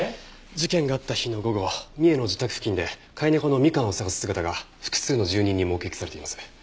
事件があった日の午後三重の自宅付近で飼い猫のみかんを捜す姿が複数の住人に目撃されています。